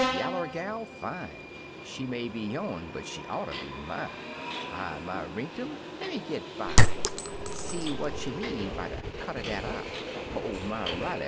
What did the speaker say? Yaller gal fine; She may be yone but she oughter be minel Hi my rinktum ! Lemme git by, En see w'at she mean by de cut er dat eye! Ho my Riley